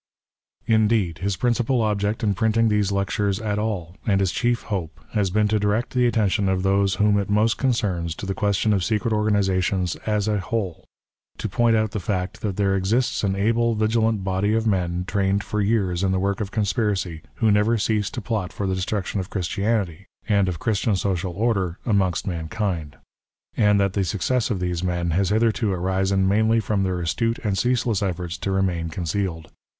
Indeed, his principal object in printing these lectures at all, and his chief hope, has been to direct the attention of those whom it most concerns to the question of secret organization as a wJwle ; to point out the fact that there exists an able, vigilant body of men, trained for years in the work of conspiracy, who never cease to plot for the destruction of Christianity, and of Christian social order amongst mankind ; and that the success of these men has hitherto arisen mainly from tliek astute and ceaseless efforts to remain concealed.